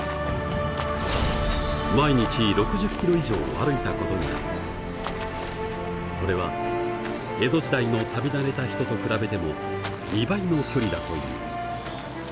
を歩いたことになりこれは江戸時代の旅慣れた人と比べても２倍の距離だという。